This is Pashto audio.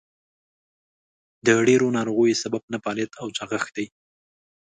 د ډېرو ناروغیو سبب نهفعاليت او چاغښت دئ.